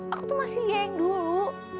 aku tuh masih lia yang dulu